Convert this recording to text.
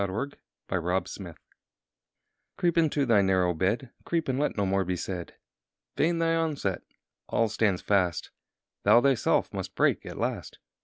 Matthew Arnold The Last Word CREEP into thy narrow bed, Creep, and let no more be said! Vain thy onset! all stands fast. Thou thyself must break at last.